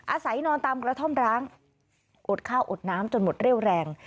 อาศัยนอนตามกระท่อมร้างอดข้าวอดน้ำจนหมดเรี่ยวแรง